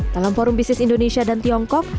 dalam forum bisnis indonesia dan tiongkok